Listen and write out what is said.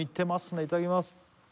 いただきます